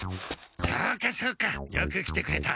そうかそうかよく来てくれた。